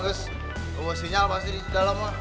gue bawa sinyal pasti di dalam lah